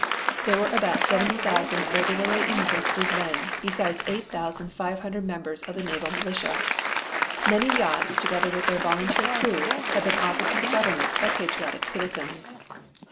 There were about seventy thousand regularly enlisted men, besides eight thousand five hundred members of the naval militia. Many yachts together with their volunteer crews had been offered to the government by patriotic citizens.